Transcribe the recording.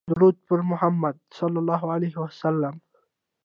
درود په محمدﷺ